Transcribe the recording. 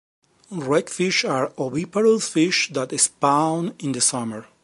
Wreckfish are oviparous fish that spawn in the summer.